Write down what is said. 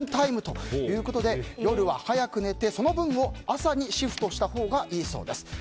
目覚めてからの３時間は脳のゴールデンタイムということで夜は早く寝てその分を朝にシフトしたほうがいいそうです。